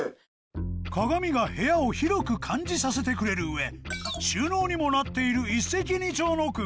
鏡が部屋を広く感じさせてくれる上収納にもなっている一石二鳥の工夫